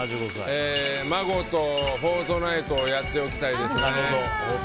孫と「フォートナイト」をやっておきたいです。